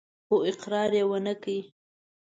خو اقرار يې ونه کړ.